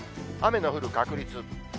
雨の降る確率。